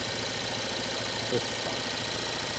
っそしっさん。